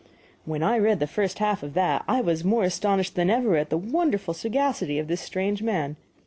When I read the first half of that I was more astonished than ever at the wonderful sagacity of this strange man.